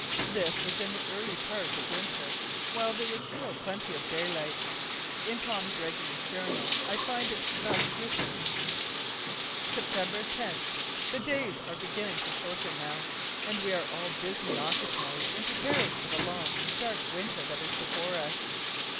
This was in the early part of winter, while there was still plenty of daylight. In Tom Gregory's journal I find it thus written: "September 10th. The days are beginning to shorten now, and we are all busily occupied in preparing for the long, dark winter that is before us.